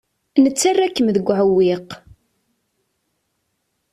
Nettarra-kem deg uɛewwiq.